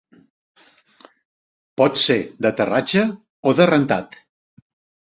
Pot ser d'aterratge o de rentat.